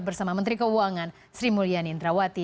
bersama menteri keuangan sri mulyani indrawati